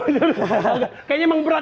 kayaknya emang berat